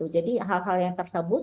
jadi hal hal yang tersebut